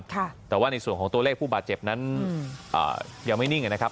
แต่ว่าในส่วนของตัวเลขผู้บาดเจ็บนั้นยังไม่นิ่งนะครับ